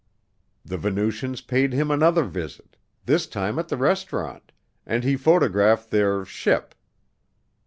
The Venusians paid him another visit, this time at the restaurant, and he photographed their "ship."